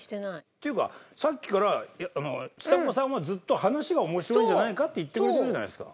というかさっきからちさ子さんはずっと話が面白いんじゃないかって言ってくれてるじゃないですか。